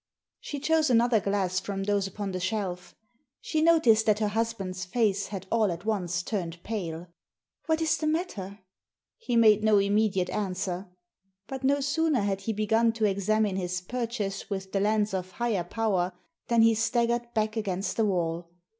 " She chose another glass from those upon the shelf. She noticed that her husband's face had all at once turned pale. " What is the matter ?" He made no immediate answer. But no sooner had he begun to examine his purchase with the lens of higher power than he staggered back against the wall.